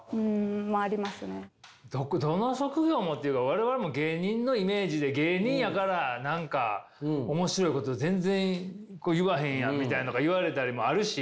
我々も芸人のイメージで芸人やから何か面白いこと全然言わへんやんみたいのとか言われたりもあるし。